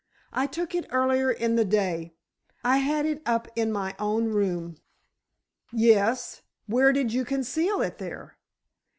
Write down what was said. "I took it earlier in the day—I had it up in my own room." "Yes; where did you conceal it there?"